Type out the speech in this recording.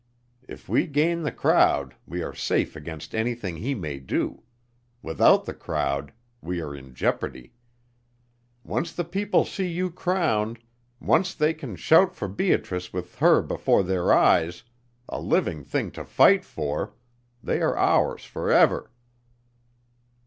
If we gain the crowd, we are safe against anything he may do; without the crowd, we are in jeopardy. Once the people see you crowned once they can shout for Beatrice with her before their eyes, a living thing to fight for they are ours forever."